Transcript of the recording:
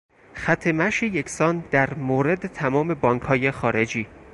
خط مشی یکسان در مورد تمام بانکهای خارجی